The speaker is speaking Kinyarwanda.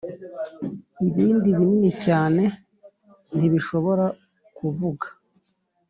ibindi binini cyane ntibishobora kuvuga.